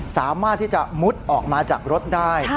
สามารถที่จะมุดออกมาจากรถได้